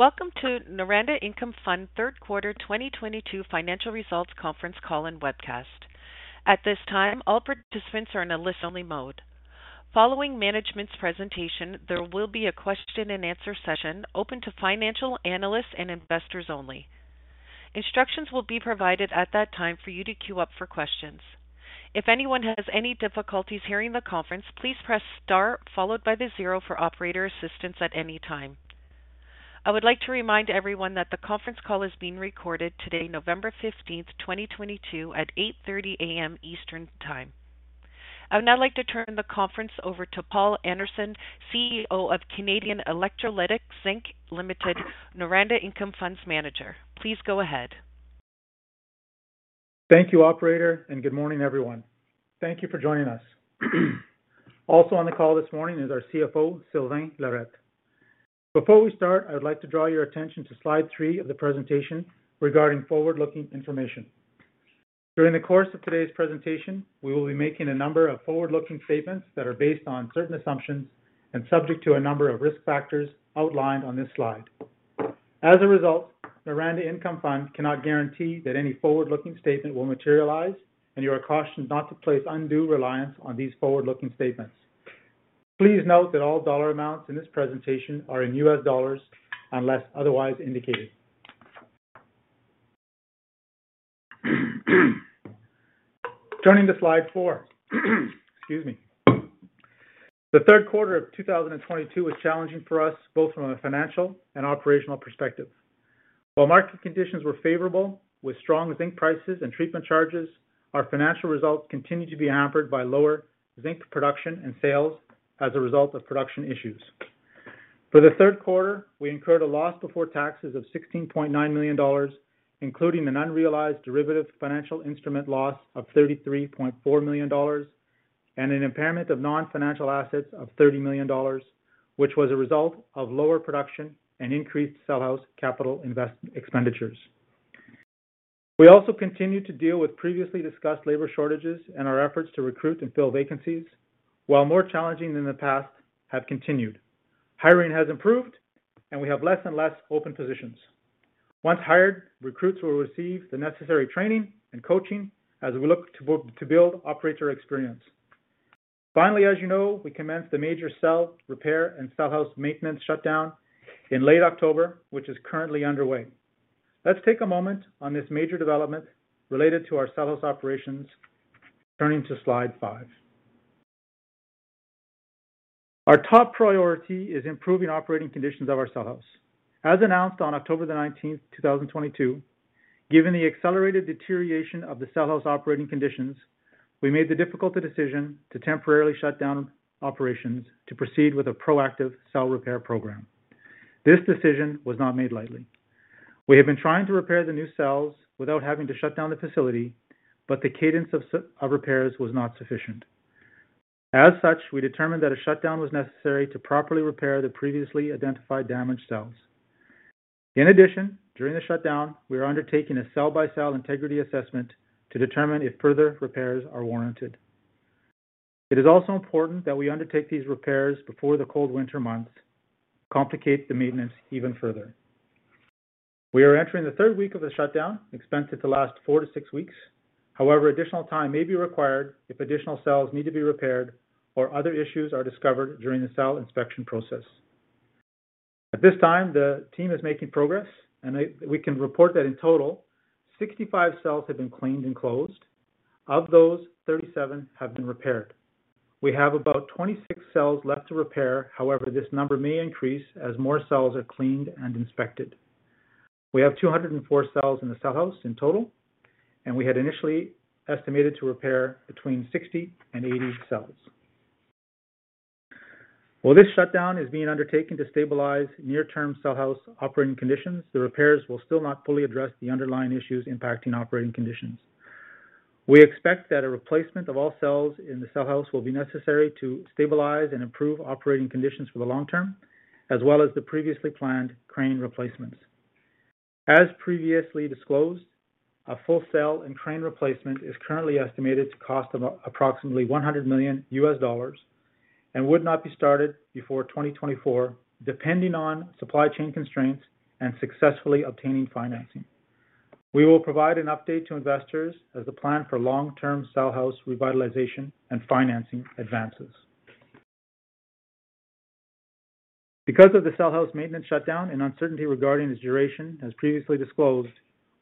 Welcome to Noranda Income Fund third quarter 2022 financial results conference call and webcast. At this time, all participants are in a listen-only mode. Following management's presentation, there will be a question and answer session open to Financial Analysts and investors only. Instructions will be provided at that time for you to queue up for questions. If anyone has any difficulties hearing the conference, please press star followed by the zero for Operator assistance at any time. I would like to remind everyone that the conference call is being recorded today, November 15, 2022 at 8:30 AM Eastern Time. I would now like to turn the conference over to Paul Einarson, CEO of Canadian Electrolytic Zinc Limited, Noranda Income Fund's Manager. Please go ahead. Thank you, Operator, and good morning, everyone. Thank you for joining us. Also on the call this morning is our CFO, Sylvain Lirette. Before we start, I would like to draw your attention to slide three of the presentation regarding forward-looking information. During the course of today's presentation, we will be making a number of forward-looking statements that are based on certain assumptions and subject to a number of risk factors outlined on this slide. As a result, Noranda Income Fund cannot guarantee that any forward-looking statement will materialize, and you are cautioned not to place undue reliance on these forward-looking statements. Please note that all dollar amounts in this presentation are in US dollars unless otherwise indicated. Turning to slide four. Excuse me. The third quarter of 2022 was challenging for us, both from a financial and operational perspective. While market conditions were favorable with strong zinc prices and treatment charges, our financial results continued to be hampered by lower zinc production and sales as a result of production issues. For the third quarter, we incurred a loss before taxes of $16.9 million, including an unrealized derivative financial instrument loss of $33.4 million and an impairment of non-financial assets of $30 million, which was a result of lower production and increased cell house capital investment expenditures. We also continued to deal with previously discussed labor shortages, and our efforts to recruit and fill vacancies, while more challenging than the past, have continued. Hiring has improved, and we have less and less open positions. Once hired, recruits will receive the necessary training and coaching as we look to build Operator experience. Finally, as you know, we commenced the major cell repair and cell house maintenance shutdown in late October, which is currently underway. Let's take a moment on this major development related to our cell house operations, turning to slide five. Our top priority is improving operating conditions of our cell house. As announced on October 19, 2022, given the accelerated deterioration of the cell house operating conditions, we made the difficult decision to temporarily shut down operations to proceed with a proactive cell repair program. This decision was not made lightly. We have been trying to repair the new cells without having to shut down the facility, but the cadence of repairs was not sufficient. As such, we determined that a shutdown was necessary to properly repair the previously identified damaged cells. In addition, during the shutdown, we are undertaking a cell-by-cell integrity assessment to determine if further repairs are warranted. It is also important that we undertake these repairs before the cold winter months complicate the maintenance even further. We are entering the third week of the shutdown, expected to last four to six weeks. However, additional time may be required if additional cells need to be repaired or other issues are discovered during the cell inspection process. At this time, the team is making progress and we can report that in total, 65 cells have been cleaned and closed. Of those, 37 have been repaired. We have about 26 cells left to repair. However, this number may increase as more cells are cleaned and inspected. We have 204 cells in the cell house in total, and we had initially estimated to repair between 60 and 80 cells. While this shutdown is being undertaken to stabilize near-term cell house operating conditions, the repairs will still not fully address the underlying issues impacting operating conditions. We expect that a replacement of all cells in the cell house will be necessary to stabilize and improve operating conditions for the long term, as well as the previously planned crane replacements. As previously disclosed, a full cell and crane replacement is currently estimated to cost about approximately $100 million and would not be started before 2024, depending on supply chain constraints and successfully obtaining financing. We will provide an update to investors as the plan for long-term cell house revitalization and financing advances. Because of the cell house maintenance shutdown and uncertainty regarding its duration, as previously disclosed,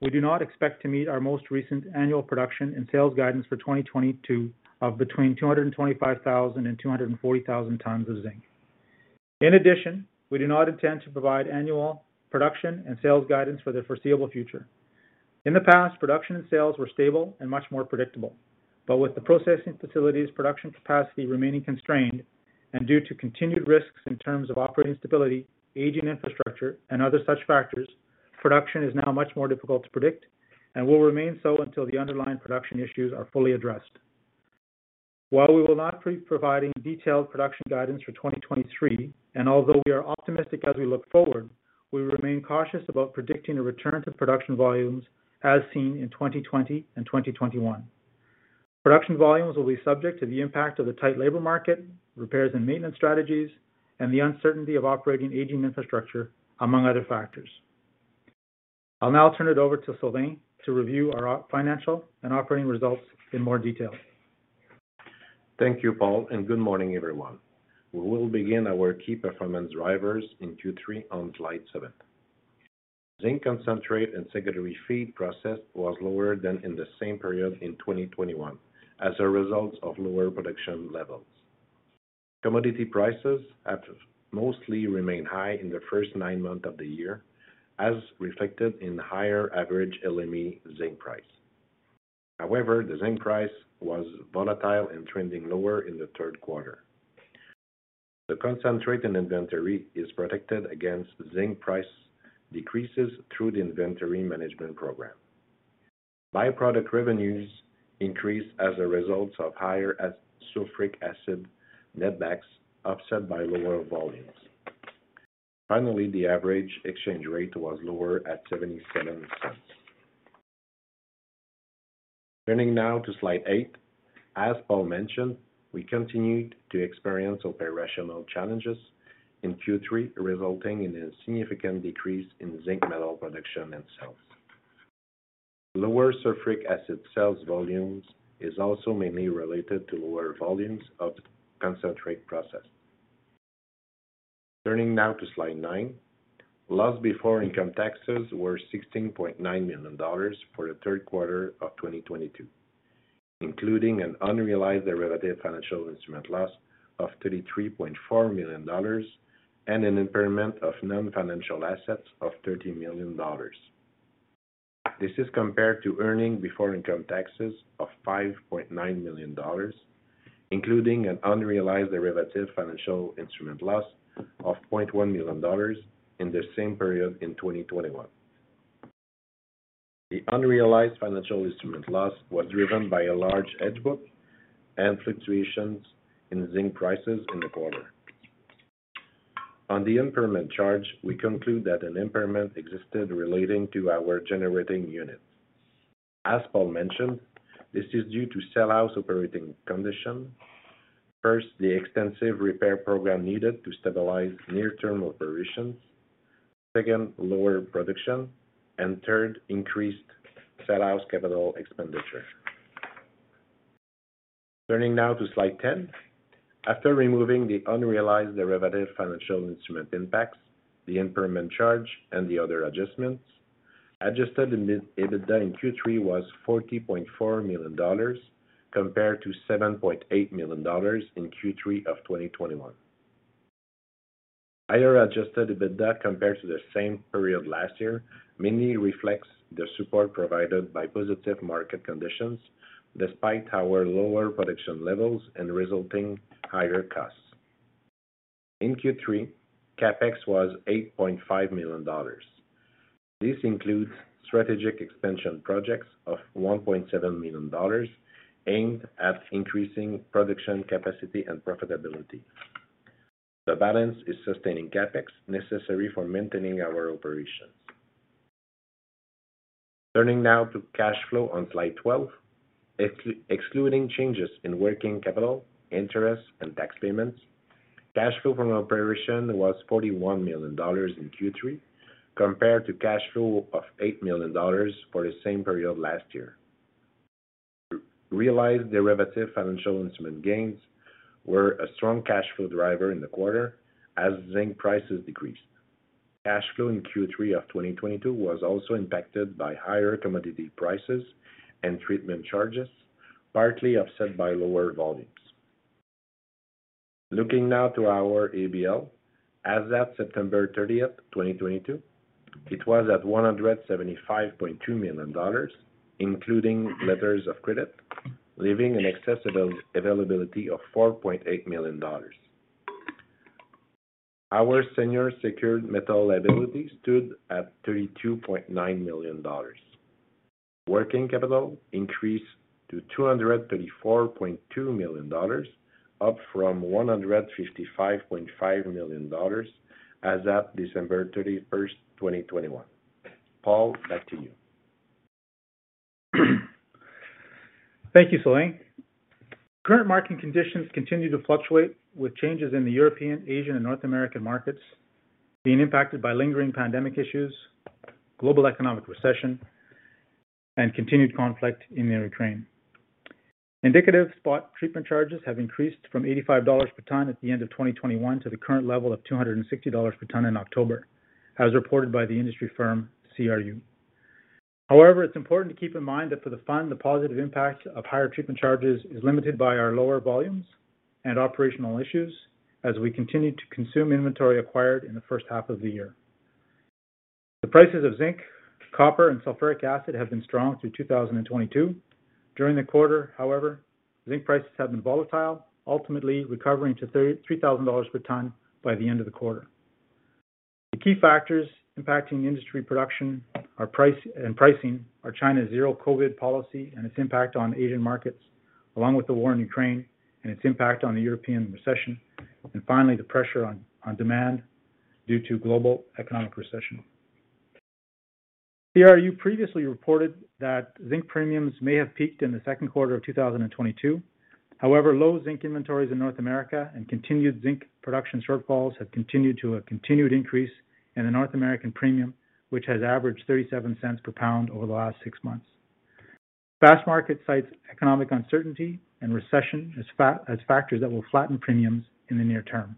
we do not expect to meet our most recent annual production and sales guidance for 2022 of between 225,000 and 240,000 tons of zinc. In addition, we do not intend to provide annual production and sales guidance for the foreseeable future. In the past, production and sales were stable and much more predictable. With the processing facilities production capacity remaining constrained and due to continued risks in terms of operating stability, aging infrastructure, and other such factors, production is now much more difficult to predict and will remain so until the underlying production issues are fully addressed. While we will not be providing detailed production guidance for 2023, and although we are optimistic as we look forward, we remain cautious about predicting a return to production volumes as seen in 2020 and 2021. Production volumes will be subject to the impact of the tight labor market, repairs and maintenance strategies, and the uncertainty of operating aging infrastructure, among other factors. I'll now turn it over to Sylvain to review our financial and operating results in more detail. Thank you, Paul, and good morning, everyone. We will begin our key performance drivers in Q3 on slide seven. Zinc concentrate and secondary feed processed was lower than in the same period in 2021 as a result of lower production levels. Commodity prices have mostly remained high in the first nine months of the year, as reflected in higher average LME zinc price. However, the zinc price was volatile and trending lower in the third quarter. The concentrate and inventory is protected against zinc price decreases through the inventory management program. Byproduct revenues increased as a result of higher sulfuric acid net backs, offset by lower volumes. Finally, the average exchange rate was lower at 0.77. Turning now to slide eight. As Paul mentioned, we continued to experience operational challenges in Q3, resulting in a significant decrease in zinc metal production and sales. Lower sulfuric acid sales volumes are also mainly related to lower volumes of concentrate processed. Turning now to slide nine. Loss before income taxes were $16.9 million for the third quarter of 2022, including an unrealized derivative financial instrument loss of $33.4 million and an impairment of non-financial assets of $30 million. This is compared to earnings before income taxes of $5.9 million, including an unrealized derivative financial instrument loss of $0.1 million in the same period in 2021. The unrealized financial instrument loss was driven by a large hedge book and fluctuations in zinc prices in the quarter. On the impairment charge, we conclude that an impairment existed relating to our generating units. As Paul Einarson mentioned, this is due to subpar operating conditions. First, the extensive repair program needed to stabilize near-term operations. Second, lower production. Third, increased sustaining capital expenditure. Turning now to slide 10. After removing the unrealized derivative financial instrument impacts, the impairment charge and the other adjustments, Adjusted EBITDA in Q3 was $40.4 million compared to $7.8 million in Q3 of 2021. Higher Adjusted EBITDA compared to the same period last year, mainly reflects the support provided by positive market conditions despite our lower production levels and resulting higher costs. In Q3, CapEx was $8.5 million. This includes strategic expansion projects of $1.7 million aimed at increasing production capacity and profitability. The balance is sustaining CapEx necessary for maintaining our operations. Turning now to cash flow on slide 12. Excluding changes in working capital, interest and tax payments, cash flow from our operation was $41 million in Q3 compared to cash flow of $8 million for the same period last year. Realized derivative financial instrument gains were a strong cash flow driver in the quarter as zinc prices decreased. Cash flow in Q3 of 2022 was also impacted by higher commodity prices and treatment charges, partly offset by lower volumes. Looking now to our ABL, as at September thirtieth, 2022, it was at $175.2 million, including letters of credit, leaving an accessible availability of $4.8 million. Our senior secured metal liability stood at $32.9 million. Working capital increased to $234.2 million, up from $155.5 million as at December thirty-first, 2021. Paul, back to you. Thank you, Sylvain. Current market conditions continue to fluctuate with changes in the European, Asian and North American markets being impacted by lingering pandemic issues, global economic recession, and continued conflict in Ukraine. Indicative spot treatment charges have increased from $85 per ton at the end of 2021 to the current level of $260 per ton in October, as reported by the industry firm CRU Group. However, it's important to keep in mind that for the fund, the positive impact of higher treatment charges is limited by our lower volumes and operational issues as we continue to consume inventory acquired in the first half of the year. The prices of zinc, copper and sulfuric acid have been strong through 2022. During the quarter, however, zinc prices have been volatile, ultimately recovering to $3,300 per ton by the end of the quarter. The key factors impacting industry production are price and pricing, China's zero-COVID policy and its impact on Asian markets, along with the war in Ukraine and its impact on the European recession, and finally, the pressure on demand due to global economic recession. CRU previously reported that zinc premiums may have peaked in the second quarter of 2022. However, low zinc inventories in North America and continued zinc production shortfalls have contributed to a continued increase in the North American premium, which has averaged $0.37 per pound over the last six months. Fastmarkets cites economic uncertainty and recession as factors that will flatten premiums in the near term.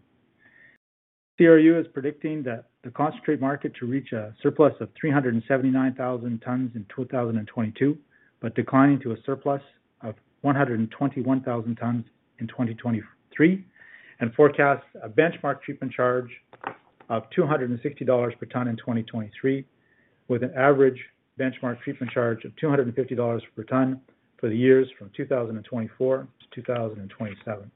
CRU is predicting that the concentrate market to reach a surplus of 379,000 tons in 2022, but declining to a surplus of 121,000 tons in 2023, and forecasts a benchmark treatment charge of $260 per ton in 2023, with an average benchmark treatment charge of $250 per ton for the years from 2024 to 2027.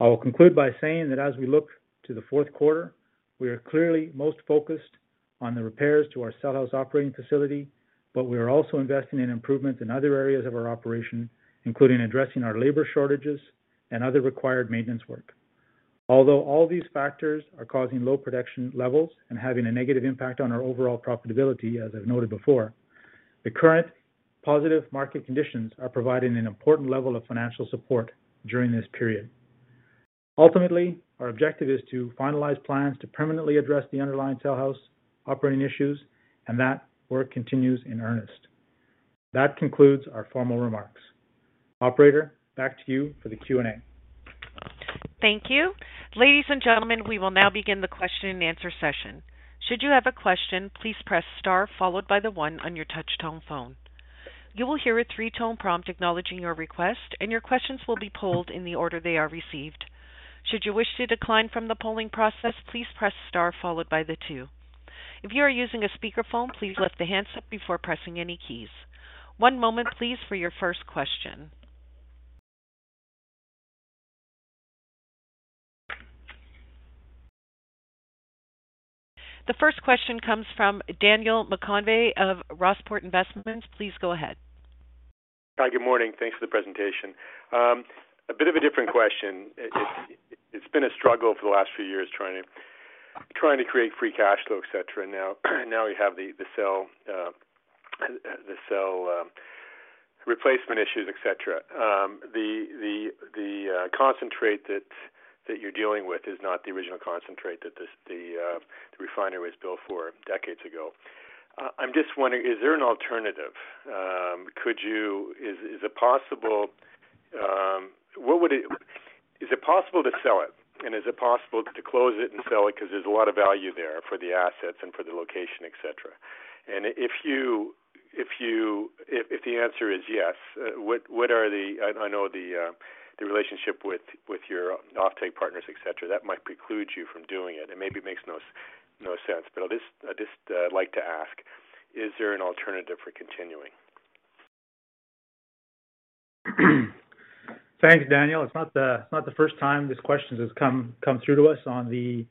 I will conclude by saying that as we look to the fourth quarter, we are clearly most focused on the repairs to our cell house operating facility, but we are also investing in improvements in other areas of our operation, including addressing our labor shortages and other required maintenance work. Although all these factors are causing low production levels and having a negative impact on our overall profitability, as I've noted before, the current positive market conditions are providing an important level of financial support during this period. Ultimately, our objective is to finalize plans to permanently address the underlying cell house operating issues, and that work continues in earnest. That concludes our formal remarks. Operator, back to you for the Q&A. Thank you. Ladies and gentlemen, we will now begin the question and answer session. Should you have a question, please press star followed by the one on your touch tone phone. You will hear a three-tone prompt acknowledging your request, and your questions will be polled in the order they are received. Should you wish to decline from the polling process, please press star followed by the two. If you are using a speakerphone, please lift the handset before pressing any keys. One moment please for your first question. The first question comes from Daniel McConvey of Rossport Investments. Please go ahead. Hi, good morning. Thanks for the presentation. A bit of a different question. It's been a struggle for the last few years trying to create free cash flow, etc.. Now we have the cell replacement issues, etc.. The concentrate that you're dealing with is not the original concentrate that this refinery was built for decades ago. I'm just wondering, is there an alternative? Is it possible to sell it? Is it possible to close it and sell it? Because there's a lot of value there for the assets and for the location, etc.. If the answer is yes, what are the I know the relationship with your offtake partners, etc., that might preclude you from doing it and maybe makes no sense. I'd just like to ask, is there an alternative for continuing? Thanks, Daniel. It's not the first time this question has come through to us on the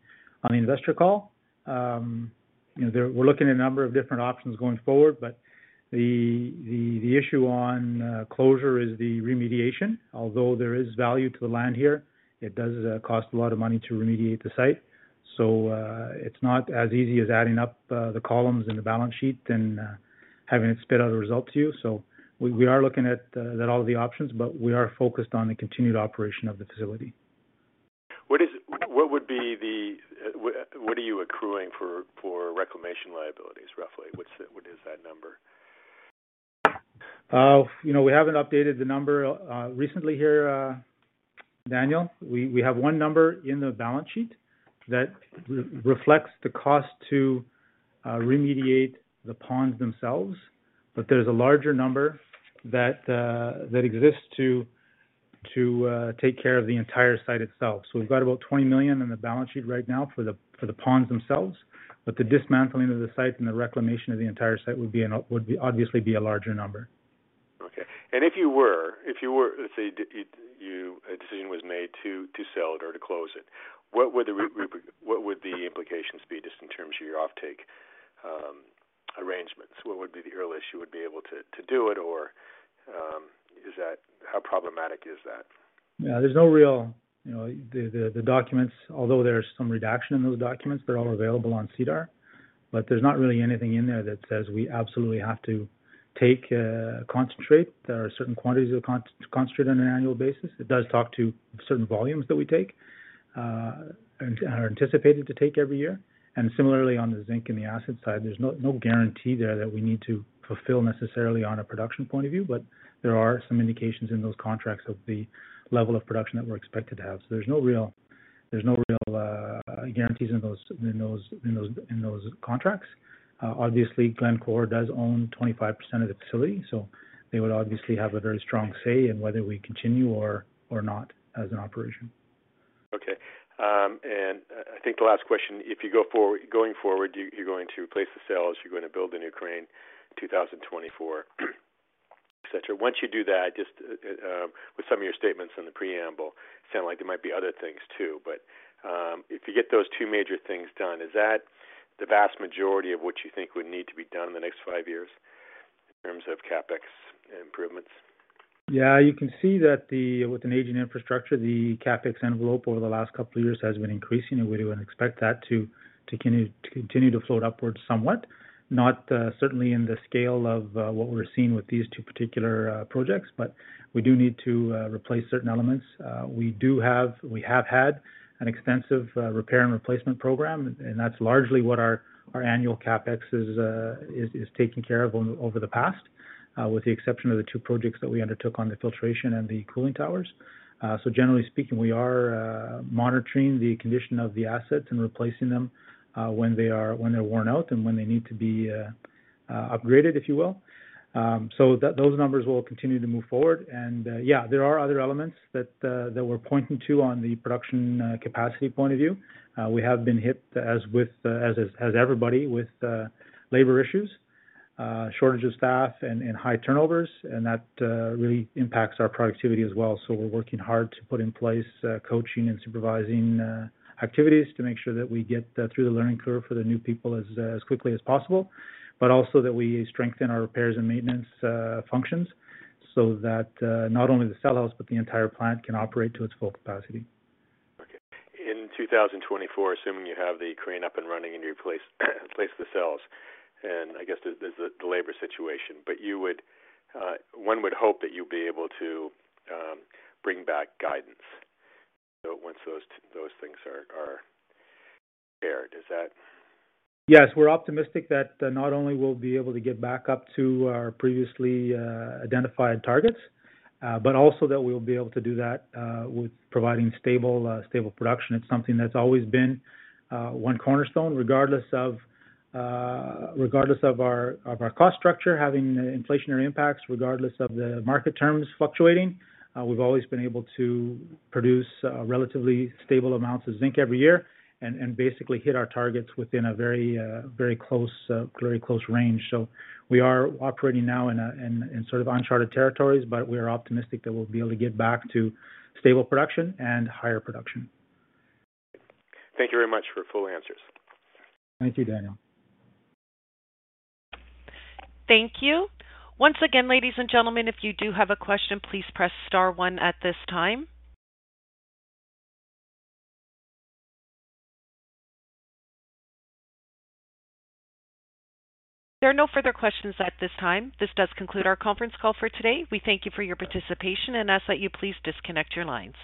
investor call. You know, we're looking at a number of different options going forward, but the issue on closure is the remediation. Although there is value to the land here, it does cost a lot of money to remediate the site. It's not as easy as adding up the columns in the balance sheet and having it spit out the result to you. We are looking at all of the options, but we are focused on the continued operation of the facility. What would be the what are you accruing for reclamation liabilities, roughly? What is that number? You know, we haven't updated the number recently here, Daniel. We have one number in the balance sheet that reflects the cost to remediate the ponds themselves. There's a larger number that exists to take care of the entire site itself. We've got about $20 million in the balance sheet right now for the ponds themselves. The dismantling of the site and the reclamation of the entire site would obviously be a larger number. Okay. If you were, let's say a decision was made to sell it or to close it, what would the implications be just in terms of your offtake arrangements? What would be the earliest you would be able to do it? Or, how problematic is that? Yeah, there's no real, you know, the documents, although there's some redaction in those documents, they're all available on SEDAR. There's not really anything in there that says we absolutely have to take concentrate. There are certain quantities of concentrate on an annual basis. It does talk to certain volumes that we take and are anticipated to take every year. Similarly, on the zinc and the asset side, there's no guarantee there that we need to fulfill necessarily on a production point of view. There are some indications in those contracts of the level of production that we're expected to have. There's no real guarantees in those contracts. Obviously, Glencore does own 25% of the facility, so they would obviously have a very strong say in whether we continue or not as an operation. Okay. I think the last question, if you go going forward, you're going to replace the cells, you're going to build a new crane, 2024, etc.. Once you do that, just with some of your statements in the preamble sound like there might be other things too. If you get those two major things done, is that the vast majority of what you think would need to be done in the next five years? In terms of CapEx improvements. Yeah, you can see that with an aging infrastructure, the CapEx envelope over the last couple of years has been increasing, and we do expect that to continue to float upwards somewhat. Not certainly in the scale of what we're seeing with these two particular projects, but we do need to replace certain elements. We have had an extensive repair and replacement program, and that's largely what our annual CapEx is taking care of over the past, with the exception of the two projects that we undertook on the filtration and the cooling towers. So generally speaking, we are monitoring the condition of the assets and replacing them when they're worn out and when they need to be upgraded, if you will. Those numbers will continue to move forward. There are other elements that we're pointing to on the production capacity point of view. We have been hit, as with everybody, with labor issues, shortage of staff and high turnovers, and that really impacts our productivity as well. We're working hard to put in place coaching and supervising activities to make sure that we get through the learning curve for the new people as quickly as possible, but also that we strengthen our repairs and maintenance functions so that not only the cell house but the entire plant can operate to its full capacity. Okay. In 2024, assuming you have the crane up and running and you replace the cells, and I guess there's the labor situation, but you would, one would hope that you'll be able to bring back guidance. Once those things are there, does that. Yes, we're optimistic that not only we'll be able to get back up to our previously identified targets, but also that we'll be able to do that with providing stable production. It's something that's always been one cornerstone regardless of our cost structure, having inflationary impacts, regardless of the market terms fluctuating. We've always been able to produce relatively stable amounts of zinc every year and basically hit our targets within a very close range. We are operating now in sort of uncharted territories, but we are optimistic that we'll be able to get back to stable production and higher production. Thank you very much for full answers. Thank you, Daniel. Thank you. Once again, ladies and gentlemen, if you do have a question, please press star one at this time. If there are no further questions at this time, this does conclude our conference call for today. We thank you for your participation and ask that you please disconnect your lines.